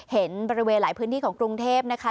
เห็นบริเวณหลายพื้นที่ของกรุงเทพนะคะ